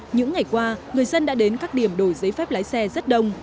những ngày qua người dân đã đến các điểm đổi giấy phép lái xe rất đông